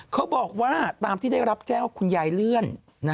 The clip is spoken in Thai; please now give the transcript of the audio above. เขาบอกว่าตามที่ได้รับแจ้งว่าคุณยายเลื่อน